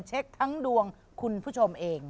เช็คทั้งดวงคุณผู้ชมเอง